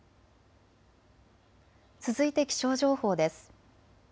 続いて気象情報です。